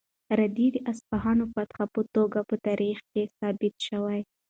رېدي د اصفهان فاتح په توګه په تاریخ کې ثبت شو.